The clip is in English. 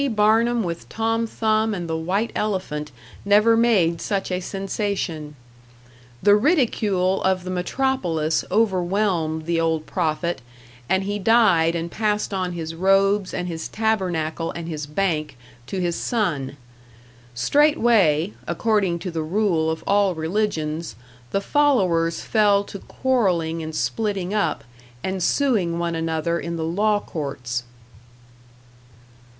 Barnum with Tom Thumb and the white elephant never made such a sensation. The ridicule of the metropolis overwhelmed the old prophet, and he died and passed on his robes and his tabernacle and his bank to his son; straightway, according to the rule of all religions, the followers fell to quarrelling and splitting up, and suing one another in the law courts.